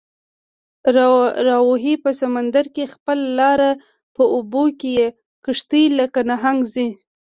راوهي په سمندر کې خپله لاره، په اوبو کې یې کشتۍ لکه نهنګ ځي